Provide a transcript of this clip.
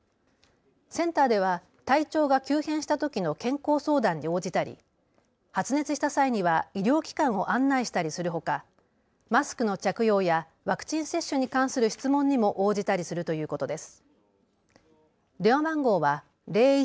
センターでは体調が急変したときの健康相談に応じたり発熱した際には医療機関を案内したりするほかマスクの着用やワクチン接種に関する質問にも応じたりするということです。